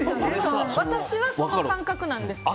私はその感覚なんですよ。